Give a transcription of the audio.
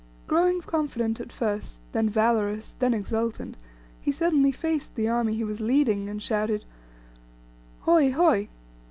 Growing confident first, then valorous, then exultant, he suddenly faced the army he was leading, and shouted "Hoy! Hoy!